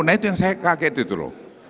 nah itu yang saya kaget itu loh